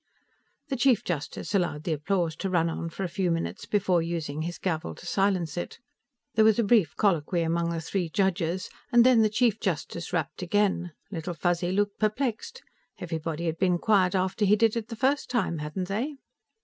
The Chief Justice allowed the applause to run on for a few minutes before using his gavel to silence it. There was a brief colloquy among the three judges, and then the Chief Justice rapped again. Little Fuzzy looked perplexed. Everybody had been quiet after he did it the first time, hadn't they?